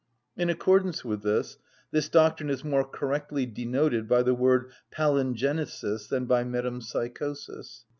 In accordance with this, this doctrine is more correctly denoted by the word palingenesis than by metempsychosis.